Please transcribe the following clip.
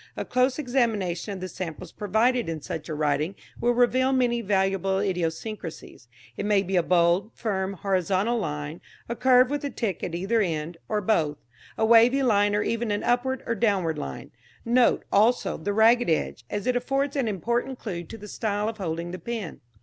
A close examination of the samples provided in such a writing will reveal many valuable idiosyncrasies. It may be a bold, firm horizontal line, a curve with a tick at either end, or both; a wavy line or even an upward or downward line. Note, also, the ragged edge, as it affords an important clue to the style of holding the pen.